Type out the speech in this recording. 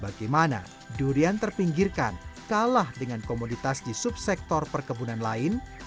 bagaimana durian terpinggirkan kalah dengan komoditas di subsektor perkebunan lain